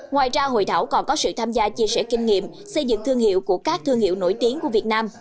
ngoài ra hội thảo còn có sự tham gia chia sẻ kinh nghiệm xây dựng thương hiệu của các thương hiệu nổi tiếng của việt nam